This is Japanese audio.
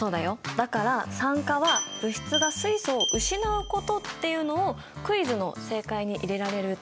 だから酸化は物質が水素を失うことっていうのをクイズの正解に入れられると思って。